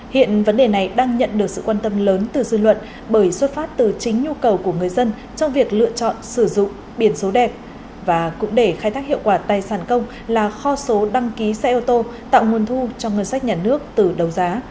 hiện vấn đề này đang nhận được sự quan tâm lớn từ dư luận bởi xuất phát từ chính nhu cầu của người dân trong việc lựa chọn sử dụng biển số đẹp và cũng để khai thác hiệu quả tài sản công là kho số đăng ký xe ô tô tạo nguồn thu cho ngân sách nhà nước từ đầu giá